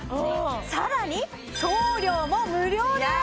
さらに送料も無料です！